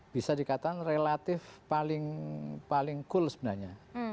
bisa dikatakan relatif paling cool sebenarnya